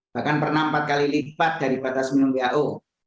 bahkan pernah empat kali lipat dari batas minim who